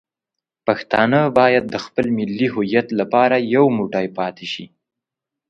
پښتانه باید د خپل ملي هویت لپاره یو موټی پاتې شي.